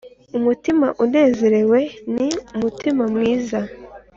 umutima unezerewe ni umuti mwiza,